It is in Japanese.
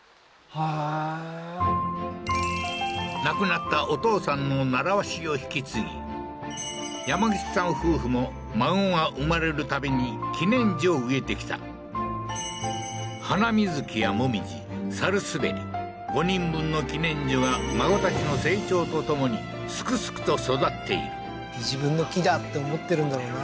へえー亡くなったお父さんの習わしを引き継ぎ山口さん夫婦も孫が生まれるたびに記念樹を植えてきたハナミズキや紅葉サルスベリ５人分の記念樹は孫たちの成長とともにすくすくと育っている自分の木だって思ってるんだろうな